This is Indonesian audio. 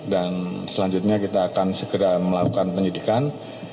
dan selanjutnya kita akan segera melakukan penyidikan